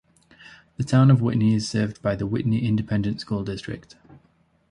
The Town of Whitney is served by the Whitney Independent School District.